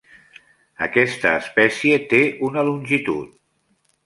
Aquesta espècie té una longitud.